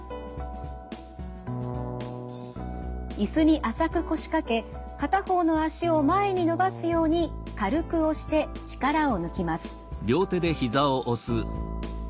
椅子に浅く腰掛け片方の脚を前に伸ばすように軽く押して力を抜きます。